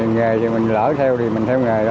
nghe thì mình lỡ theo thì mình theo nghề đó